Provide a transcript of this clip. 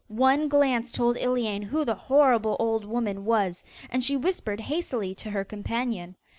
One glance told Iliane who the horrible old woman was, and she whispered hastily to her companion.